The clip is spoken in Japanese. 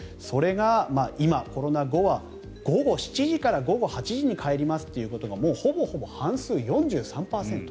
それが今、コロナ後は午後７時から午後８時に帰りますということがもうほぼ半数４３％。